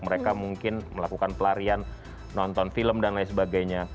mereka mungkin melakukan pelarian nonton film dan lain sebagainya